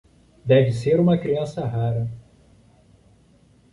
Deve ser uma criança rara.